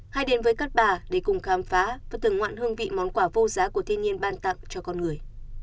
hãy đến với cát bà để cùng khám phá và từng ngoạn hương vị món quà vô giá của thiên nhiên ban tặng cho con người